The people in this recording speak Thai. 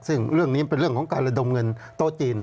ซึ่งเรื่องนี้เป็นเรื่องของการระดมเงินโต๊ะจีน